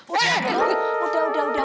udah udah udah